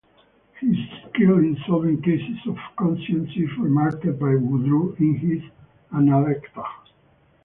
His skill in solving cases of conscience is remarked by Wodrow in his Analecta.